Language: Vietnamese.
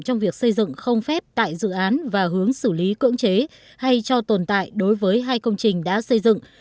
trong việc xây dựng không phép tại dự án và hướng xử lý cưỡng chế hay cho tồn tại đối với hai công trình đã xây dựng